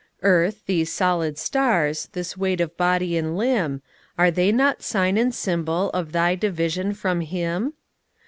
Earth, these solid stars, this weight of body and limb, Are they not sign and symbol of thy division from Him?